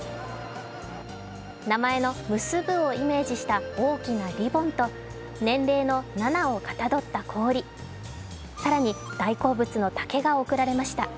名前の結ぶをイメージした大きなリボンと年齢の７をかたどった氷更に大好物の竹が贈られました。